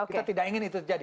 kita tidak ingin itu jadi